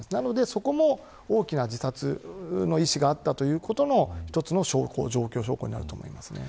そこも大きな自殺の意思があったということも一つの状況証拠になると思います。